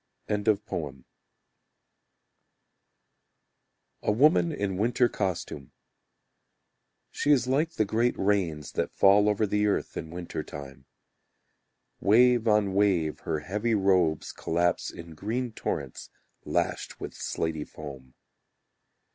A Woman in Winter Costume She is like the great rains That fall over the earth in winter time. Wave on wave her heavy robes collapse In green torrents Lashed with slaty foam.